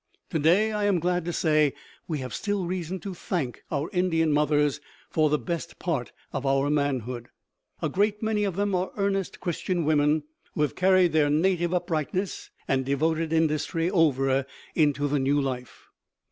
To day, I am glad to say, we have still reason to thank our Indian mothers for the best part of our manhood. A great many of them are earnest Christian women, who have carried their native uprightness and devoted industry over into the new life.